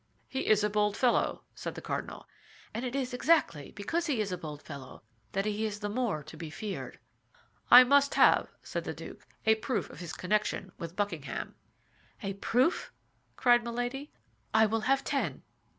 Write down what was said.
"He is a bold fellow," said the cardinal. "And it is exactly because he is a bold fellow that he is the more to be feared." "I must have," said the duke, "a proof of his connection with Buckingham." "A proof?" cried Milady; "I will have ten."